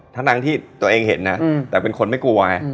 ทั้งที่ตัวเองเห็นนะแต่เป็นคนไม่กลัวไง